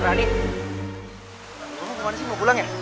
kamu kemana sih mau pulang ya